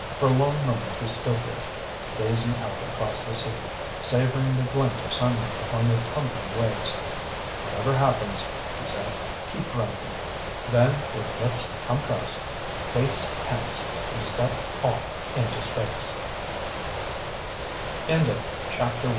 For a long moment he stood there, gazing out across the sea, savoring the glint of sunlight upon the tumbling waves. "Whatever happens," he said, "keep grinding." Then with lips compressed, face tense, he stepped off into space.